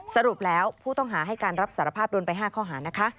สรุปแล้วผู้ต้องหาให้การรับสารภาพโดนไป๕ข้อหานะคะ